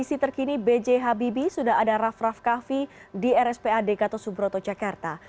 di kondisi terkini bj habibi sudah ada raf raf kahvi di rspa di gatot subroto jakarta